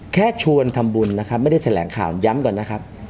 แค่ชวนทำบุญนะครับไม่ได้แถลงข่าวย้ำก่อนนะครับ